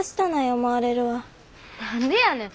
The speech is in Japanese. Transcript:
何でやねん！